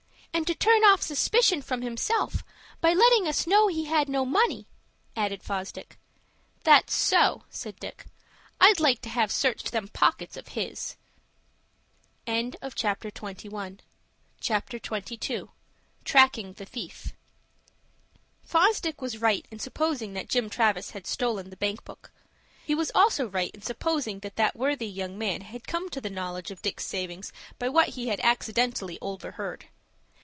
"And to turn off suspicion from himself, by letting us know he had no money," added Fosdick. "That's so," said Dick. "I'd like to have searched them pockets of his." CHAPTER XXII. TRACKING THE THIEF Fosdick was right in supposing that Jim Travis had stolen the bank book. He was also right in supposing that that worthy young man had come to the knowledge of Dick's savings by what he had accidentally overheard.